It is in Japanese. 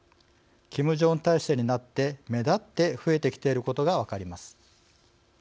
キム・ジョンウン体制になって目立って増えてきていることが分かります。